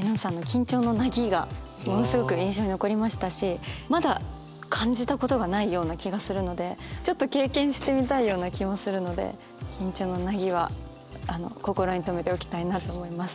絵音さんの「緊張の凪」がものすごく印象に残りましたしまだ感じたことがないような気がするのでちょっと経験してみたいような気もするので「緊張の凪」は心に留めておきたいなと思います。